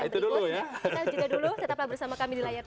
kita juga dulu tetaplah bersama kami di layar